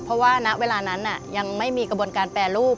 เพราะว่าณเวลานั้นยังไม่มีกระบวนการแปรรูป